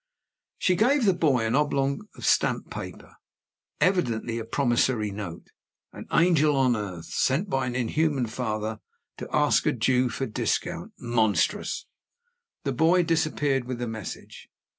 She gave the boy an oblong slip of stamped paper. Evidently a promissory note. An angel on earth, sent by an inhuman father, to ask a Jew for discount! Monstrous! The boy disappeared with the message.